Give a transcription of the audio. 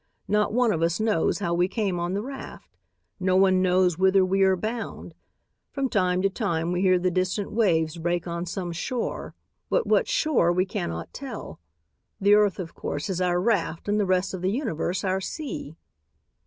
Not one of us knows how we came on the raft. No one knows whither we are bound. From time to time we hear the distant waves break on some shore, but what shore we cannot tell. The earth, of course, is our raft and the rest of the universe our sea.